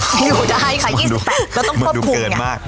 อยู่ได้ค่ะ๒๘องศาเซียสแล้วต้องปรบคุม